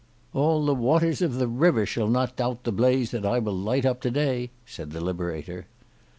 "All the waters of the river shall not dout the blaze that I will light up to day," said the Liberator.